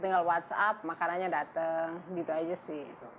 tinggal whatsapp makanannya dateng gitu aja sih